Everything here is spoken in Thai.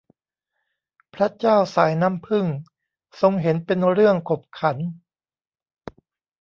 พระเจ้าสายน้ำผึ้ง ทรงเห็นเป็นเรื่องขบขัน